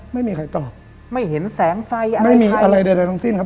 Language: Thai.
ไม่มีใครตอบไม่เห็นแสงไฟอะไรไม่มีอะไรใดทั้งสิ้นครับ